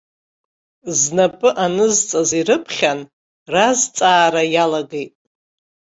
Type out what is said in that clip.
Знапы анызҵаз ирыԥхьан разҵаара иалагеит.